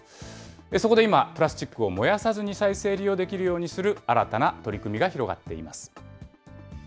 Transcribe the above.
そこで今、プラスチックを燃やさずに再生利用できるようにする新たな取り組みが広がっています。